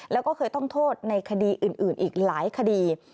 แล้วก็เคยต้องโทษในคดีอื่นอีกหลายคดี